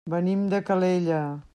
Venim de Calella.